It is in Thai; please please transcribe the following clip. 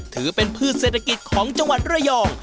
ถือเป็นพืชเศรษฐกิจของจังหวัดระยอง